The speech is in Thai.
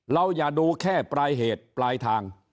อย่าดูแค่ปลายเหตุปลายทาง